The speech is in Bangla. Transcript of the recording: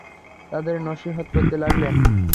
তাদের নসীহত করতে লাগলেন।